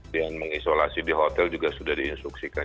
dan mengisolasi di hotel juga sudah di instruksikan